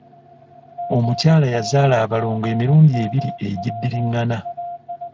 Omukyala yazaala balongo emirundi ebiri egiddiringana.